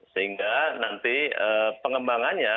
sehingga nanti pengembangannya